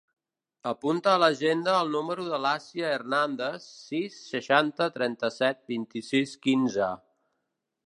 Apunta a l'agenda el número de l'Assia Hernandez: sis, seixanta, trenta-set, vint-i-sis, quinze.